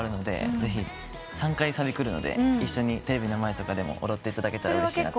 ３回サビくるので一緒にテレビの前とかでも踊っていただけたらうれしいな。